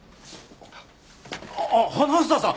あっ花房さん。